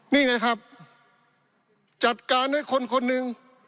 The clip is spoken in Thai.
นี่ไงครับจัดการให้คนคนหนึ่ง